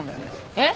えっ！？